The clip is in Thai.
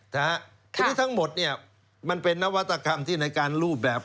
คือนี่ทั้งหมดมันเป็นนวัตกรรมที่ในการลูบเปลี่ยน